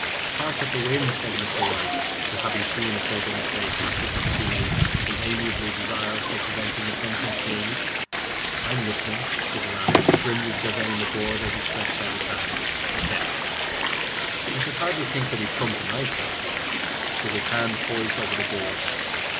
"Hark at the wind," said Mr. White, who, having seen a fatal mistake after it was too late, was amiably desirous of preventing his son from seeing it. "I'm listening," said the latter, grimly surveying the board as he stretched out his hand. "Check." "I should hardly think that he'd come to night," said his father, with his hand poised over the board.